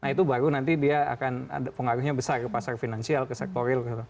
nah itu baru nanti dia akan ada pengaruhnya besar ke pasar finansial ke sektor real gitu